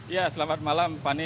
ya selamat malam pani